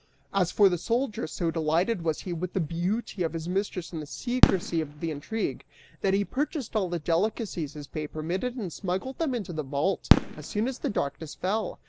As for the soldier, so delighted was he with the beauty of his mistress and the secrecy of the intrigue, that he purchased all the delicacies his pay permitted and smuggled them into the vault as soon as darkness fell.